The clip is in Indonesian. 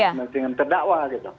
kepentingan terdakwa gitu